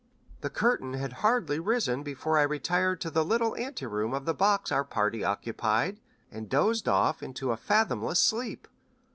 The curtain had hardly risen before I retired to the little ante room of the box our party occupied and dozed off into a fathomless sleep.